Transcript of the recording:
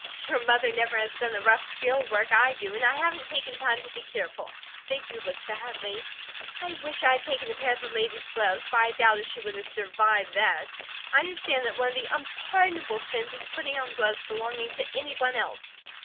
"Your mother never has done the rough field work I do, and I haven't taken time to be careful. They do look badly. I wish I had taken a pair of the lady's gloves; but I doubt if she would have survived that. I understand that one of the unpardonable sins is putting on gloves belonging to any one else."